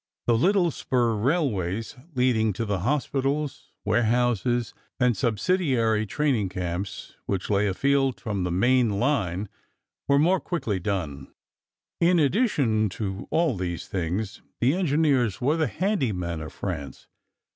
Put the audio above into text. The little spur railways leading to the hospitals, warehouses, and subsidiary training camps which lay afield from the main line were more quickly done. In addition to all these things, the engineers were the handy men of France.